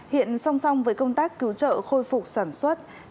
hiện song song với công tác cứu trợ khôi phục sản xuất các địa phương đang tập trung dự báo